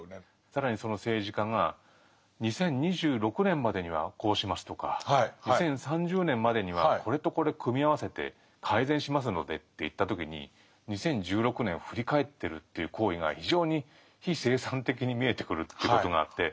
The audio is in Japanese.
更にその政治家が「２０２６年までにはこうします」とか「２０３０年までにはこれとこれ組み合わせて改善しますので」って言った時に２０１６年を振り返ってるという行為が非常に非生産的に見えてくるということがあって。